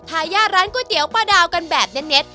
ทายาทร้านก๋วยเตี๋ยวป้าดาวกันแบบเน็ต